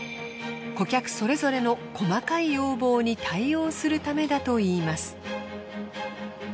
顧客それぞれの細かい要望に対応するためだといいます。